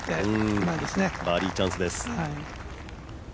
バーディーチャンスです。